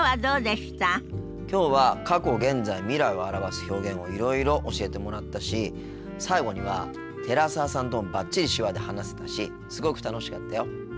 きょうは過去現在未来を表す表現をいろいろ教えてもらったし最後には寺澤さんともバッチリ手話で話せたしすごく楽しかったよ。